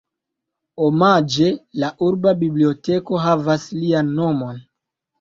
Omaĝe, la urba biblioteko havas lian nomon.